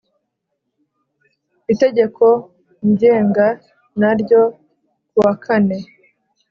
Itegeko ngenga n ryo ku wa kane